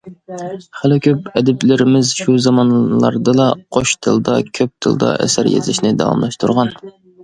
خېلى كۆپ ئەدىبلىرىمىز شۇ زامانلاردىلا قوش تىلدا، كۆپ تىلدا ئەسەر يېزىشنى داۋاملاشتۇرغان.